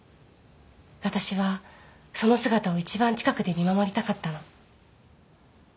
私はその姿を一番近くで見守りたかったの。